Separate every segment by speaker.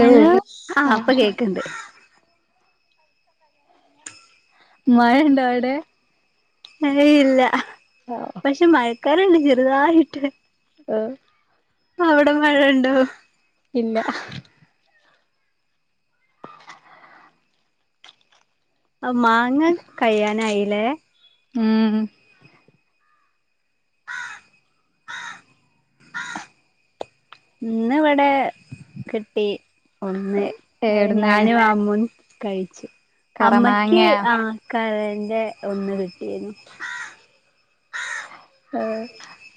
Speaker 1: Hello ആഹ് പ്പൊ കേക്ക്ണ്ട്
Speaker 2: മഴണ്ടവിടെ
Speaker 1: ഏയ് ഇല്ല
Speaker 2: ആഹ്
Speaker 1: പക്ഷെ മഴക്കാർ ഉണ്ട് ചെറുതായിട്ട്
Speaker 2: ആഹ്
Speaker 1: അവിടെ മഴ ഉണ്ടോ
Speaker 2: ഇല്ല
Speaker 1: ആഹ് മാങ്ങ കഴയ്യാനായില്ലേ
Speaker 2: ഉം
Speaker 1: ഇന്ന് ഇവിടെ കിട്ടി ഒന്ന് അ
Speaker 2: എവിടുന്ന്
Speaker 1: ഞാനും അമ്മീം കഴ്ച്ച് അമ്മക്ക്
Speaker 2: കറമാങ്ങയാ
Speaker 1: കരന്റെ ഒന്ന് കിട്ടിയരുന്നു
Speaker 2: ആഹ്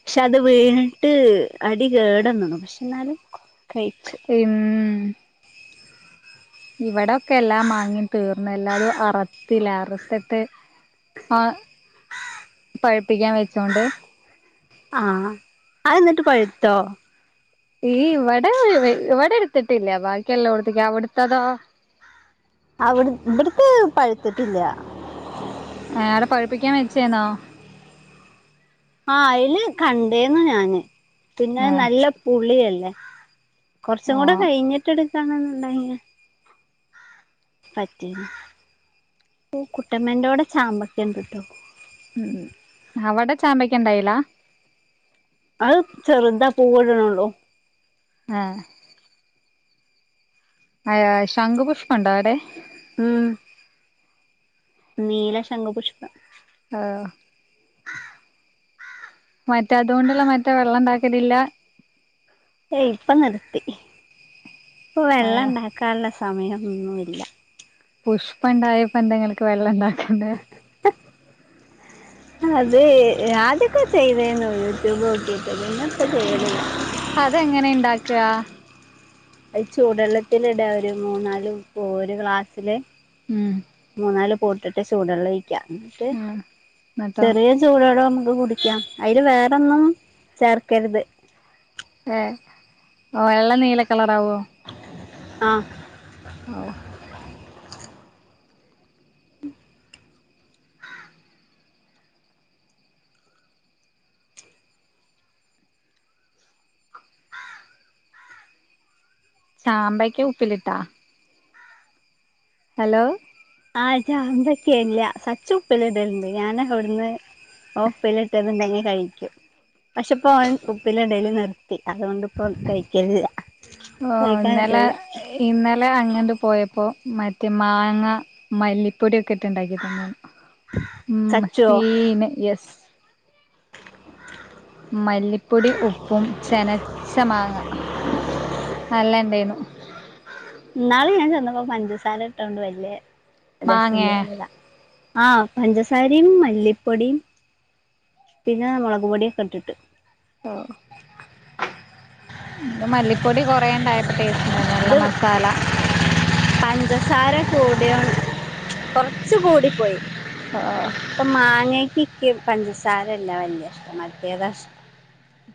Speaker 1: പക്ഷെ അത് വീണിട്ട് അടി കേടന്നണു പക്ഷെ എന്നാലും കഴിച്ചു
Speaker 2: ഉം ഇവിടെക്കെ എല്ലാം മാങ്ങി തീർന്ന് എല്ലാതും അറത്തില്ല അറുത്തിട്ട് ആഹ് പഴപ്പിക്കാൻ വെച്ചൊണ്ട്
Speaker 1: ആഹ് അ എന്നിട്ട് പഴുത്തോ
Speaker 2: ഈ വട വട എടുത്തിട്ടില്ല ബാക്കിയെല്ലാം കൊടുത്തേക്ക അവടുത്തതോ
Speaker 1: അവിടു ഇവിടുത്തെ പഴുത്തിട്ടില്ല
Speaker 2: ആടെ പഴിപ്പിക്കാൻ വെച്ചന്നോ
Speaker 1: ആഹ് അയ്ല് കണ്ടേന്നു ഞാന് പിന്നെ നല്ല പുുള്ളിയല്ലേ കുറച്ചും കൂടെ
Speaker 2: ഓഹ്
Speaker 1: കഴിഞ്ഞിട്ട് എടുക്കണന്നുണ്ട പറ്റന്ന് കുട്ടമ്മേന്റോടെ ചാമ്പക്കം പിട്ടു
Speaker 2: ഉം അവടെ ചാമ്പക്ക ഉണ്ടായില
Speaker 1: അത് ചെറുതാ പൂവ്ടണള്ളൂ
Speaker 2: ആഹ് ആഹ് ശംഖുപുഷ്പണ്ടോ അവിടെ
Speaker 1: ഉം നീല ശംഖ പുുഷ്പം
Speaker 2: ആഹ് മറ്റേ അതുകൊണ്ടല്ലാം മറ്റേ വെള്ളംണ്ടാക്കലില്ല
Speaker 1: ഏഹ് ഇപ്പൊ നിർത്തി ഇപ്പൊ വെള്ളം
Speaker 2: ആഹ്
Speaker 1: ഉണ്ടാക്കാനുള്ള സമയംന്നുല്ല
Speaker 2: പുഷ്പ ഇണ്ടായപ്പോന്തെങ്ങൾക്ക് വെള്ളം ഇണ്ടാക്കണ്ടേ
Speaker 1: അതേ ആദ്യാക്കേ ചെയ്തേനേ യൂട്യൂബ് നോക്കിട്ട്. പിന്നെപ്പ ചെയ്യണില്ല്യാ.
Speaker 2: അതെങ്ങനെ ഇണ്ടാക്കാ?
Speaker 1: അത് ചൂടെള്ളത്തിലിട ഒരു മൂന്നാല്, ഒരു ക്ലാസ്സില്
Speaker 2: ഉം
Speaker 1: മൂന്നാല്. പോട്ടിട്ട് ചൂടു വെള്ളെഴിക്ക. എന്നിട്ട്
Speaker 2: ഉം എന്നിട്ടോ
Speaker 1: ചെറിയ ചൂടോടെ നമുക്ക് കുടിക്കാം. അതിൽ വേറൊന്നും ചേർക്കരുത്.
Speaker 2: ഏഹ് ഓ വെള്ള നീല കളറാവുവോ?
Speaker 1: ആഹ്
Speaker 2: ഓഹ് ചാമ്പയ്ക്ക ഉപ്പിലിട്ടാ? ഹലോ
Speaker 1: ആഹ് ചാമ്പെക്കെയില്ല. സച്ചു ഉപ്പിലിടലൊണ്ട്. ഞാൻ അവിടെന്ന്. ഓപ്പിലിട്ടതുണ്ടെങ്കിൽ കഴിക്കും. പക്ഷെപ്പോ ഓൻ ഉപ്പിലിടല് നിർത്തി. അതുകൊണ്ടിപ്പം കഴിക്കലില്ല.
Speaker 2: ഓ
Speaker 1: കഴിക്കാൻ
Speaker 2: ഇന്നലെ,
Speaker 1: കിട്ടലില്ല
Speaker 2: ഇന്നലെ അങ്ങണ്ട് പോയപ്പോ മറ്റേ മാങ്ങ. മല്ലിപ്പൊടിയെക്കെയിട്ട് ഇണ്ടാക്കി തന്ന്. ഉം.
Speaker 1: സച്ചുവോ
Speaker 2: സീന് എസ്. മല്ലിപ്പൊടി, ഉപ്പും ചേനെച്ചമാങ്ങ. നല്ലെണ്ടേനും
Speaker 1: ഇന്നാളി ഞാൻ ചെന്നപ്പോ പഞ്ചസാര ഇട്ടോണ്ട് വെല്യാ രെസം
Speaker 2: മാങ്ങേ
Speaker 1: തേന്നില്ല. ആഹ്, പഞ്ചസാരിയും മല്ലിപ്പൊടിയും പിന്നെ മെളക് പൊടിയൊക്കെ ഇട്ടിട്ട്.
Speaker 2: ഓ ഇന്ന് മല്ലിപ്പൊടി കൊറെ ഒണ്ടായപ്പോ ടേസ്റ്റ് ഉണ്ടാരുന്നു. നല്ല
Speaker 1: ഇത്
Speaker 2: മസാല
Speaker 1: പഞ്ചസാര കൂടിം. കൊറെച്ച് കൂടി പോയി
Speaker 2: ആഹ്
Speaker 1: ഇപ്പൊ മാങ്ങക്ക് ഇക്ക് പഞ്ചസാരല്ല വെല്യാ ഇഷ്ടം. മറ്റേതാ ഇഷ്ടം.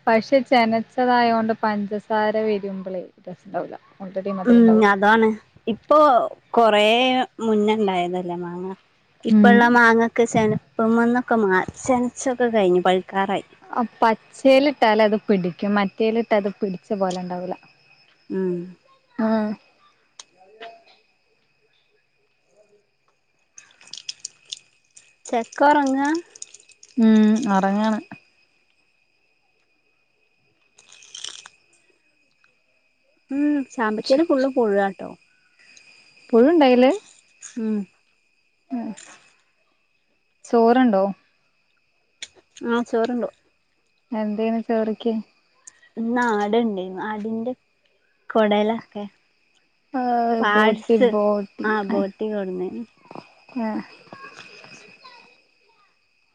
Speaker 2: പക്ഷെ ചെനച്ചതായൊണ്ട് പഞ്ചസാര വെരുമ്പളേ പ്രശ്നമില്ല.
Speaker 1: ഉം അതാണ്. ഇപ്പൊ കൊറെ മുന്ന് ഉണ്ടായതല്ലേ മാങ്ങ.
Speaker 2: ഉം
Speaker 1: ഇപ്പൊള്ള മാങ്ങാക്ക് ചെനപ്പന്നൊക്കെ മാറി. ചെനച്ചൊക്കെ കഴിഞ്ഞു. പഴിക്കാറായി.
Speaker 2: ആ പച്ചയിലിട്ടാല് അത് പിടിക്കും. മറ്റേയിലിട്ടത് പിടിച്ച പോലെ ഉണ്ടാവൂല.
Speaker 1: ഉം
Speaker 2: ആഹ്
Speaker 1: ചെക്കൊറങ്ങാ?
Speaker 2: ഉം ഒറങ്ങാണ്.
Speaker 1: ഉം ചാമ്പക്കേന് ഫുള്ള് പുഴുവാട്ടോ.
Speaker 2: പുഴുണ്ടായില്ലേ?
Speaker 1: ഉം
Speaker 2: ങ്‌ ഹും ചോറ്ണ്ടോ?
Speaker 1: ആഹ്, ചോറുണ്ട്.
Speaker 2: എന്തേന് ചോറിക്ക്?
Speaker 1: ഇന്നാട് ഒണ്ടായുന്നു. ആടിന്റെ കൊടലൊക്കെ.
Speaker 2: ഓ ബോട്ടി
Speaker 1: പാട്സ്
Speaker 2: ബോട്ടി
Speaker 1: ആ
Speaker 2: ആഹ്
Speaker 1: ബോട്ടി കൊട്ന്നേന്നു
Speaker 2: ആഹ്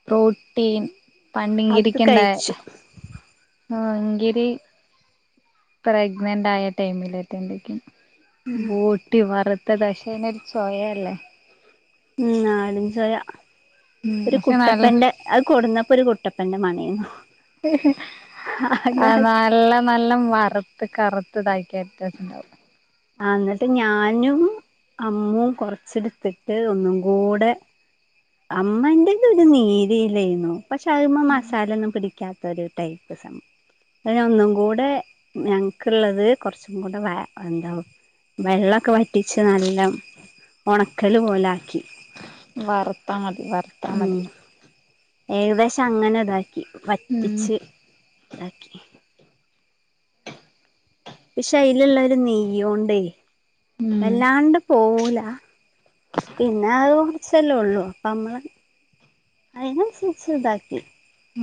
Speaker 2: പ്രോട്ടീൻ,
Speaker 1: അത്
Speaker 2: പന്നിങ്കിരക്കണ്ടേ
Speaker 1: കഴിച്ചു
Speaker 2: മോകിരി പ്രഗ്നന്റായാ ടൈമിലായിയെടുത്തോണ്ട് നിക്കണ്. ബോട്ടി വറുത്തെത്. അശേനൊരു ചൊയല്ലേ.
Speaker 1: ഉം നാടൻചായ
Speaker 2: ഉം
Speaker 1: ഒരു
Speaker 2: പക്ഷെ നല്ല
Speaker 1: കുട്ടപ്പന്റെ. അത് കൊടുന്നപ്പോ ഒരു കുട്ടപ്പന്റെ മണിന്നാ.
Speaker 2: ആഹ് നല്ല നല്ല വറുത്ത് കറ്ത്ത്താക്കിയറ്റുഷ്ട്ടം
Speaker 1: ആഹ് എന്നിട്ട് ഞാനും അമ്മും കൊറെച്ചെടുത്തിട്ട് ഒന്നും കൂടെ. അമ്മന്റെ ഇതൊരു നീരിലായിരുന്നു പക്ഷെ അതിമ്മ മസാല ഒന്നും പിടിക്കാ ത്തൊരു ടൈപ്പ് സംഭം അ ഒന്നും കൂടെ ഞങ്ങൾക്കുള്ളത് കുറച്ചും കൂടെ വ എന്താ വെള്ളമൊക്കെ വറ്റിച്ച് നല്ല ഉണക്കല് പോലാക്കി
Speaker 2: വറുത്ത മതി വറുത്താ
Speaker 1: ഉം
Speaker 2: മതി
Speaker 1: ഏകദേശം അങ്ങനെ ഇതാക്കി വറ്റിച്ച്
Speaker 2: ഉം
Speaker 1: ഇതാക്കി പക്ഷെ അയിലുള്ളരു നെയ്യോണ്ടേ അ വല്ലാണ്ട് പോവൂല പിന്നെ അത് കുറച്ചെല്ലേ ഉള്ളൂ അപ്പോം നമ്മൾ അയ്നൻസരിച്ച ബാക്കി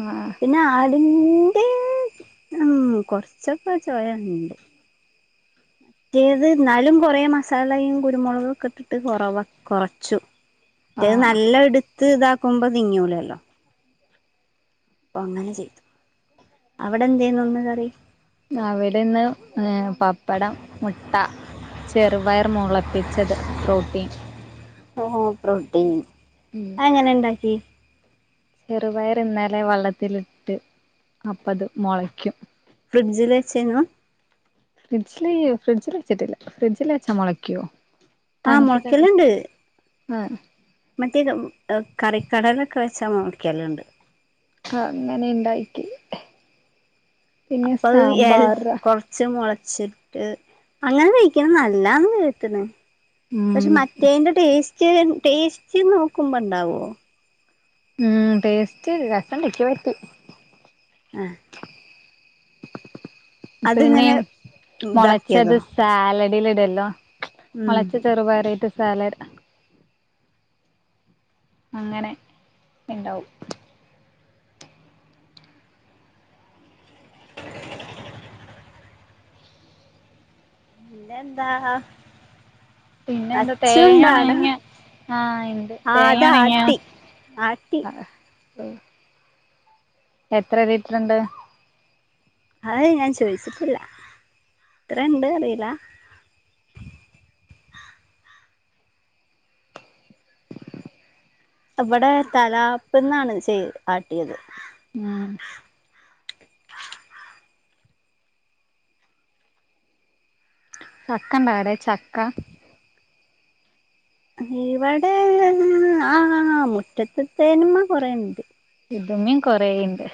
Speaker 2: ആഹ് ആഹ്
Speaker 1: പിന്നെ ആടിൻന്റെ ഉം കൊറച്ചൊക്കെ ചോയണ്ട് ചെയത് എന്നാലും കുറേ മസാലയും കുരുമുളക ഒക്കെ ഇട്ടിട്ട് കുറവാ കുറച്ചു മറ്റേത്
Speaker 2: ആഹ്
Speaker 1: നല്ല എടുത്ത് ഇതാക്കുമ്പോ തിങ്ങൂലല്ലോ അപ്പോൾ അങ്ങനെ ചെയ്തു അവിടെ എന്തെയ്നു ഇന്ന് കറി
Speaker 2: അവിടെന്ന് ഏ പപ്പടം മുട്ട ചെറുപയർ മുളപ്പിച്ചത് പ്രോട്ടീൻ
Speaker 1: ഓ പ്രോട്ടീൻ
Speaker 2: ഉം
Speaker 1: അങ്ങനെ ഉണ്ടാക്കി
Speaker 2: ചെറുപയർ ഇന്നലെ വെള്ളത്തിലിട്ട് അപ്പത് മുളയ്ക്കും
Speaker 1: ഫ്രിഡ്ജിൽ വെച്ചേനു
Speaker 2: ഫ്രിഡ്ജില് ഫ്രിഡ്ജിൽ വെച്ചിട്ടില്ല ഫ്രിഡ്ജിൽ വെച്ചാ മുളക്കിയോ
Speaker 1: ആ
Speaker 2: തണുക്കട്ടെ
Speaker 1: മുളക്കലുണ്ട്
Speaker 2: ആഹ്
Speaker 1: മറ്റേ കറിക്കടലൊക്കെ വെച്ചാ മൊളയ്ക്കലുണ്ട്
Speaker 2: ആഹ് അങ്ങനെ ഇണ്ടാക്കി
Speaker 1: അപ്പൊ അഹ് കൊറച്ച് മുളച്ചിട്ട് അങ്ങനെ കഴിക്കണ നല്ലാ ന്ന് കേട്ട്ണ് പക്ഷെ
Speaker 2: ഉം
Speaker 1: മറ്റേതിന്റെ ടേസ്റ്റ് ടേസ്റ്റ് നോക്കുമ്പോ ഇണ്ടാവോ
Speaker 2: ഉം ടേസ്റ്റ് രസം ഇണ്ട് ഇന്ക് പറ്റി
Speaker 1: ആഹ്
Speaker 2: പിന്നെ
Speaker 1: അതിങ്ങനെ
Speaker 2: മുളച്ചത്
Speaker 1: ഇതാക്കിയതോ
Speaker 2: സാലഡില ഇടല്ലോ
Speaker 1: ഉം
Speaker 2: മുളച്ച ചെറുപറയിട്ട് സാലഡ് അങ്ങനെ ഇണ്ടാവും
Speaker 1: പിന്നെ എന്താ ഹ
Speaker 2: പിന്നെ എന്താ തേങ്ങ
Speaker 1: അച്ചുണ്ടാടാ
Speaker 2: ഒണങ്ങിയ ആഹ് ഇണ്ട്
Speaker 1: ആഹ്
Speaker 2: തേങ്ങ ഒണങ്ങിയ
Speaker 1: അതാട്ടി ആട്ടി
Speaker 2: ആ [unintelligible] എത്ര ലീറ്ററ്ണ്ട്
Speaker 1: അതെ ഞാൻ ചോയിച്ചിട്ടില്ല ഇത്ര ഇണ്ട് അറില ഇവിടെ തലാപ്പ്ന്നാണ് ചെയ് ആട്ടിയത്
Speaker 2: ആഹ് ചക്കണ്ടാടെ ചക്ക
Speaker 1: ഇവിടെ ആഹ് മുറ്റത്തിത്തേന്മേ കുറേണ്ട്
Speaker 2: ഇതുമ്മേം കൊറേണ്ട്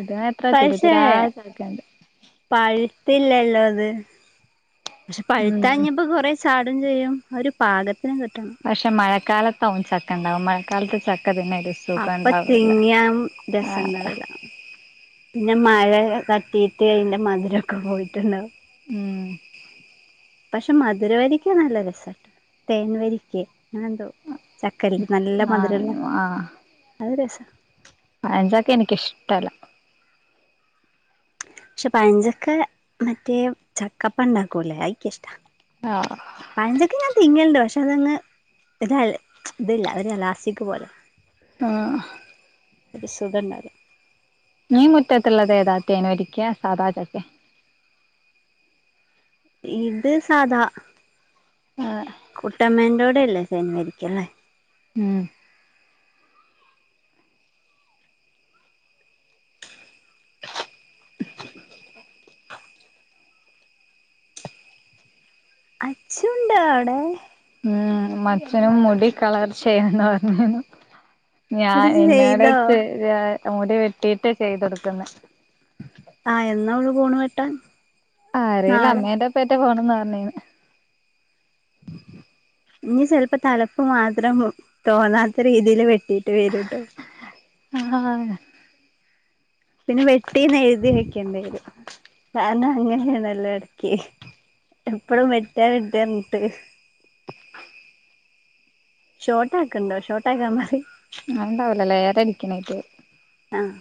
Speaker 2: ഇതാ
Speaker 1: പക്ഷേ പഴുത്തില്ലല്ലോ അത് പക്ഷെ
Speaker 2: ഉം
Speaker 1: പഴുത്തഞ്ഞിപ്പോ കൊറേ ചാടും ചെയ്യും ഒരു പാകത്തിനന് കിട്ടണം
Speaker 2: പക്ഷെ മഴക്കാലത്തകും ചക്ക ഇണ്ടാവ മഴക്കാലത്ത് ചക്ക [unintelligible]
Speaker 1: അപ്പ
Speaker 2: ഇണ്ടാവൂല
Speaker 1: തിങ്ങിയൻ രസണ്ടാവുല പിന്നെ മഴക്കെ തട്ടീയിട്ട് അതിന്റെ മധുരക്കെ പോയിണ്ടാവും
Speaker 2: ഉം
Speaker 1: പക്ഷെ മധുരവരിക്ക നല്ല രസട്ട് തേൻ വരിക്കെ അങ്ങനെ എന്തോ ചക്കല്ലേ നല്ല
Speaker 2: ആഹ്
Speaker 1: മധുരള്ള അത് രസാ
Speaker 2: പഴഞ്ചക്കെ എനിക്കിഷ്ടല്ല
Speaker 1: പക്ഷെ പഴഞ്ചക്കെ മറ്റേ ചക്കപ്പ ഉണ്ടാക്കൂല്ലേ അയിക്ക് ഇഷ്ട
Speaker 2: ആഹ്
Speaker 1: പഴഞ്ചക്കെ ഞാ തിന്നല്ണ്ട് പക്ഷെ അതങ് ഇത ഇല്ല അതിന ലാസിക്ക് പോലെ
Speaker 2: ആഹ്
Speaker 1: ഒരു സുഖല്ലത്
Speaker 2: ഈ മുറ്റത്ത്ള്ളത് ഏതാ തേൻ വരിക്കെ സാദാ ചക്കെ?
Speaker 1: ഇത് സാധാ
Speaker 2: ആഹ്
Speaker 1: കൂട്ടമ്മന്റോടല്ലേ തേൻ വരിക്കല്ലേ
Speaker 2: ഉം
Speaker 1: അച്ചുണ്ടാ അവിടെ?
Speaker 2: ഉം അച്ചഛനും മുടി കളർ ചെയ്യണം പറഞ്ഞു ഞാൻ
Speaker 1: എടി ചെയ്തോ
Speaker 2: എന്നോട്ച്ച് മുടി വെട്ടിട്ട് ചെയ്ത് കൊടുക്കുന്ന്
Speaker 1: ആഹ് എന്നാ ഓള് പോണ് വെട്ടാൻ
Speaker 2: ആറിയില്ല
Speaker 1: നാളെ
Speaker 2: അമ്മേന്റെപ്പേറ്റ പോണന്ന് പറഞ്ഞീനു
Speaker 1: ഇനി സെലപ്പോ തലപ്പ് മാത്രം തോന്നാത്ത രീതിയിൽ വെട്ടിട്ട് വരുട്ടോ
Speaker 2: ആഹ്‌.
Speaker 1: പിന്നെ വെട്ടിന്ന് എഴുതി വെക്കേണ്ടിവരും കാരണം അങ്ങനെയണല്ലോ എടക്ക് എപ്പഴും വെട്ടാ വെട്ടാ മുട്ട് ഷോർട്ടാക്കണ്ട ഷോർട്ടാക്കാൻ പറി.
Speaker 2: അങ്ങന ഉണ്ടാവലല്ലേ ഏരടിക്കണായിട്ട്
Speaker 1: ആഹ്‌.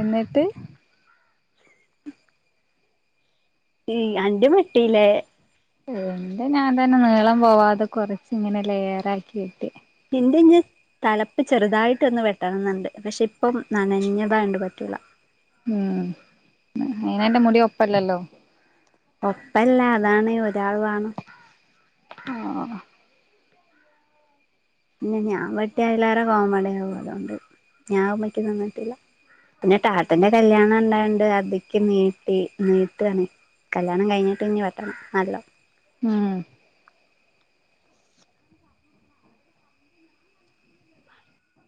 Speaker 2: എന്നിട്ട്
Speaker 1: ഈ അന്റെ വെട്ടില്ലേ
Speaker 2: ന്ത ഞാൻ തന്നെ നീളം പോവാതെ കൊറച്ച് ഇങ്ങനെ ലെയറാക്കി വെട്ടി
Speaker 1: എന്തഞ് തലപ്പ് ചെറുതായിട്ട് ഒന്ന് വെട്ടണം എന്നുണ്ട് പക്ഷെ ഇപ്പം നനഞ്ഞതായിണ്ട് പറ്റൂല
Speaker 2: ഉം അയിനന്റെ മുടി ഒപ്പല്ലല്ലോ
Speaker 1: ഒപ്പല്ല അതാണ് ഒരാൾ വാണം
Speaker 2: ആഹ്‌.
Speaker 1: പിന്നെ ഞാൻ വെട്ടിയതിലേറെ കോമഡിയാകും അതുകൊണ്ട് ഞാനായ്മ്മയ്ക്ക് നിന്നിട്ടില്ല പിന്നെ ടാട്ടന്റെ കല്യാണം ഇണ്ടായോണ്ട് അതീക്ക് നീട്ടി നീട്ടാണ് കല്യാണം കഴിഞ്ഞിട്ട് ഇനി വെട്ടണം നല്ലോ
Speaker 2: ഉം